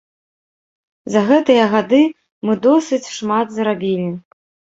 За гэтыя гады мы досыць шмат зрабілі.